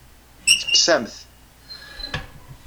Tekkes-am-t.